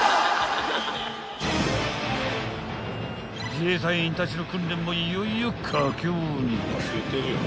［自衛隊員たちの訓練もいよいよ佳境に］